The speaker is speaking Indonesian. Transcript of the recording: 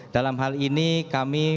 dalam hal ini kami